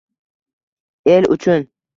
El uchun